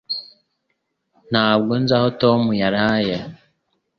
Ntabwo nzi aho Tom yaraye.